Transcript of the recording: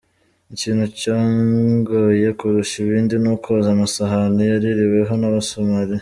Ikintu cyangoye kurusha ibindi, ni ukoza amasahani yaririweho n’abasomali.